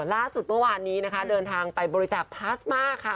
ล่าสุดเมื่อวานนี้นะคะเดินทางไปบริจาคพลาสมาค่ะ